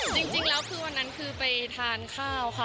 จริงแล้วคือวันนั้นคือไปทานข้าวค่ะ